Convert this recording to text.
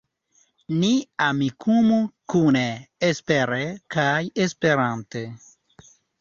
Ni Amikumu kune, espere kaj Esperante.